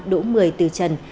đỗ mười từ trần